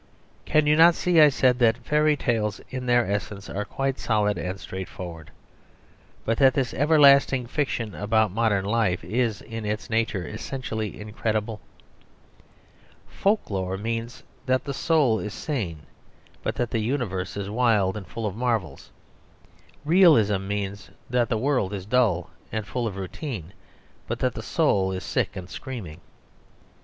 "Can you not see," I said, "that fairy tales in their essence are quite solid and straightforward; but that this everlasting fiction about modern life is in its nature essentially incredible? Folk lore means that the soul is sane, but that the universe is wild and full of marvels. Realism means that the world is dull and full of routine, but that the soul is sick and screaming.